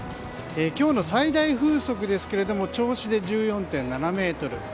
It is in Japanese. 今日の最大風速ですが銚子で１４．７メートル。